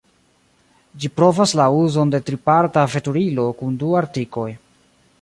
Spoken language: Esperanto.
Ĝi provas la uzon de triparta veturilo kun du artikoj.